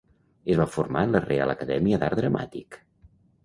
Es va formar en la Reial Acadèmia d'Art Dramàtic.